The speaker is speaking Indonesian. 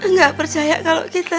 gak percaya kalau kita